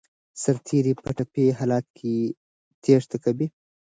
سرتیري په ټپي حالت تېښته کوي.